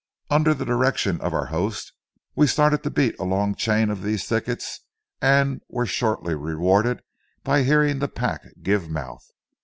Under the direction of our host, we started to beat a long chain of these thickets, and were shortly rewarded by hearing the pack give mouth.